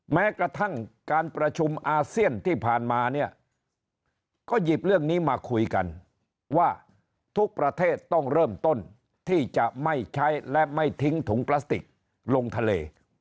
แม้กระทั่งการประชุมอาเซียนที่ผ่านมาเนี่ยก็หยิบเรื่องนี้มาคุยกันว่าทุกประเทศต้องเริ่มต้นที่จะไม่ใช้และไม่ทิ้งถุงพลาสติกลงทะเล